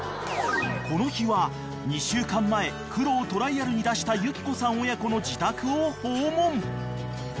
［この日は２週間前クロをトライアルに出したゆきこさん親子の自宅を訪問］